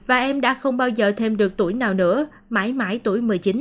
và em đã không bao giờ thêm được tuổi nào nữa mãi mãi tuổi một mươi chín